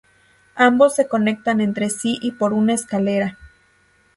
Ambos se conectan entre sí por una escalera.